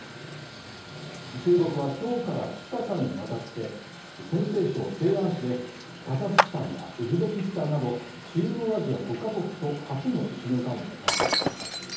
中国は今日から２日間にわたって、陝西省西安市でカザフスタンやウズベキスタンなど中央アジア５か国と初の首脳会議を開催します。